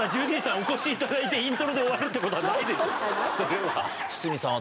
お越しいただいて、イントロで終わるってことはないでしょ、それは。